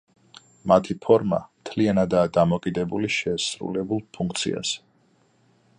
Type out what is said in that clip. მათი ფორმა მთლიანადაა დამოკიდებული შესრულებულ ფუნქციაზე.